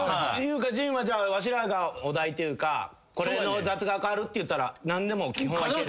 陣はじゃあわしらがお題というかこれの雑学ある？っていったら何でも基本はいける？